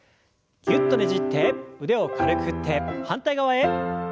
ぎゅっとねじって腕を軽く振って反対側へ。